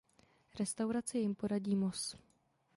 Restauraci jim poradí Moss.